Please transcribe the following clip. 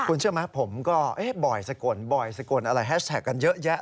คุณเชื่อไหมผมก็บ่อยสกลบ่อยสกลอะไรแฮชแท็กกันเยอะแยะ